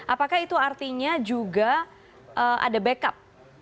apakah itu artinya juga ada backup